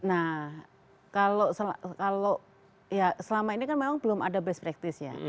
nah kalau ya selama ini kan memang belum ada best practice ya